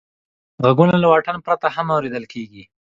غږونه له واټن پرته هم اورېدل کېږي.